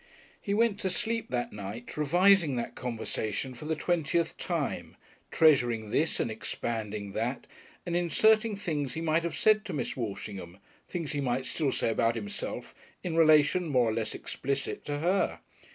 He went to sleep that night revising that conversation for the twentieth time, treasuring this and expanding that, and inserting things he might have said to Miss Walshingham, things he might still say about himself in relation more or less explicit to her.